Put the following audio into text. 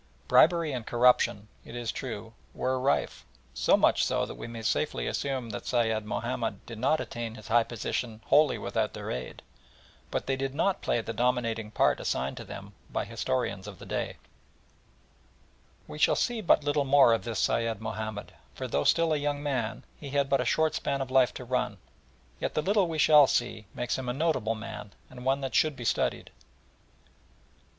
Bribery and corruption, it is true, were rife, so much so, that we may safely assume that Sayed Mahomed did not attain his high position wholly without their aid, but they did not play the dominating part assigned them by historians of the time. We shall see but little more of this Sayed Mahomed, for though still a young man, he had but a short span of life to run, yet the little we shall see makes him a notable man, and one that should be studied.